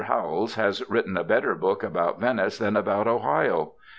Howells has written a better book about Venice than about Ohio.